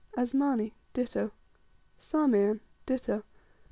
8. Asmani, ditto. 9. Sarmean, ditto.